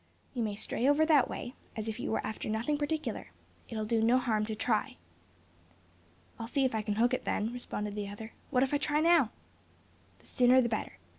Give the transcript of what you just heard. You may stray over that way, as if you were after nothing particular. It'll do no harm to try." "I'll see if I can hook it then," responded the other. "What if I try now?" "The sooner the better.